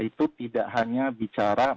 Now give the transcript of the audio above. itu tidak hanya bicara